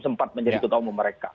sempat menjadi ketua umum mereka